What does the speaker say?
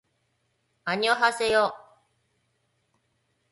あにょはせよ